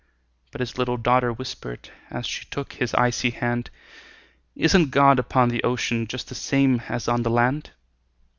But his little daughter whispered, As she took his icy hand, "Isn't God upon the ocean, Just the same as on the land?"